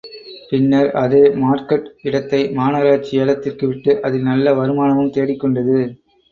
பின்னர் அதே மார்க்கட் இடத்தை மாநகராட்சி ஏலத்திற்கு விட்டு அதில் நல்ல வருமானமும் தேடிக் கொண்டது.